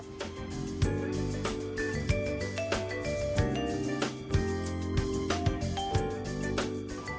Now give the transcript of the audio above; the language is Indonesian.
apa pendapatan doni dari sour sally